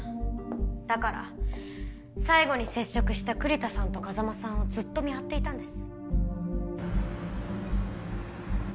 だから最後に接触した栗田さんと風真さんをずっと見張っていたんです。